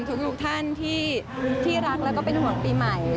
ทุกท่านที่รักแล้วก็เป็นห่วงปีใหม่